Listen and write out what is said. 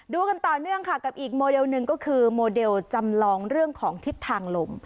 กันต่อเนื่องค่ะกับอีกโมเดลหนึ่งก็คือโมเดลจำลองเรื่องของทิศทางลม